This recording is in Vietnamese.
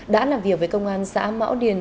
đã làm việc với công an xã mão điền